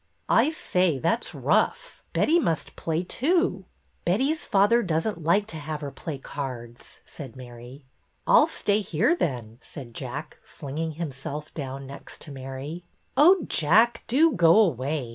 " I say, that 's rough. Betty must play, too." " Betty's father does n't like to have her play cards," said Mary. " I 'll stay here, then," said Jack, flinging him self down next to Mary. " Oh, Jack, do go away.